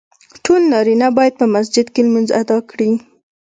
ټولو نارینه باید په مسجد کې لمونځ ادا کړي .